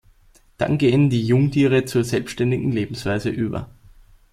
Dann gehen die Jungtiere zur selbständigen Lebensweise über.